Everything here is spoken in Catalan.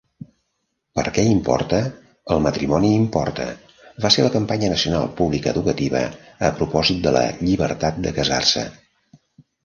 "Per què importa el matrimoni importa" va ser la campanya nacional pública educativa a propòsit de la Llibertat de casar-se.